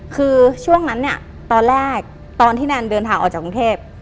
คือช่วงนั้นเนี่ยตอนแรกตอนที่แนนเดินทางออกจากกรุงเทพ